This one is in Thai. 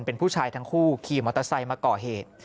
เป็นผู้ชายทั้งคู่ขี่มอเตอร์ไซค์มาก่อเหตุ